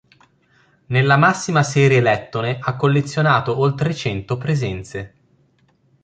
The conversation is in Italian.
Nella massima serie lettone ha collezionato oltre cento presenze.